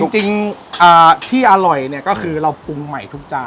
จริงที่อร่อยเนี่ยก็คือเราปรุงใหม่ทุกจาน